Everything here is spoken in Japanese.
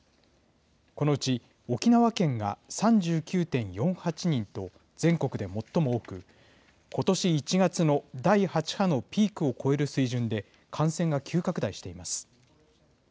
このうち沖縄県が３９．４８人と、全国で最も多く、ことし１月の第８波のピークを超える水準で、感染が急拡大しています。